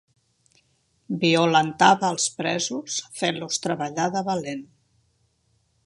Violentava els presos fent-los treballar de valent.